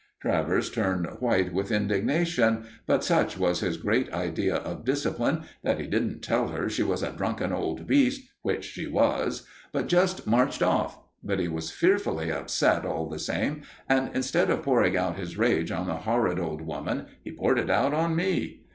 Travers turned white with indignation, but such was his great idea of discipline, that he didn't tell her she was a drunken old beast, which she was, but just marched off. But he was fearfully upset, all the same, and, instead of pouring out his rage on the horrid old woman, he poured it out on me.